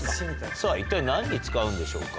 さぁ一体何に使うんでしょうか？